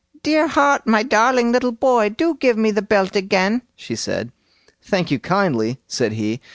"Dear heart, my darling little boy! do give me the belt again", she said. "Thank you kindly", said he.